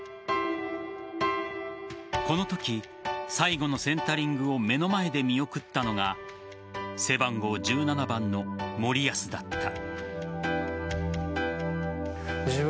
このとき最後のセンタリングを目の前で見送ったのが背番号１７番の森保だった。